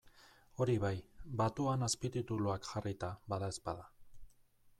Hori bai, batuan azpitituluak jarrita badaezpada.